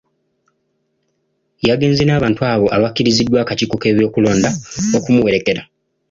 Yagenze n'abantu abo abakkiriziddwa akakiiko k'ebyokulonda okumuwerekera.